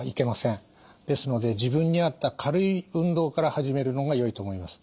ですので自分に合った軽い運動から始めるのがよいと思います。